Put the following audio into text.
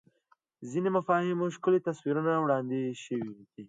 ځینو مفاهیمو ښکلي تصویرونه وړاندې شوي